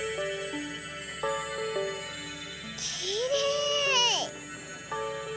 きれい！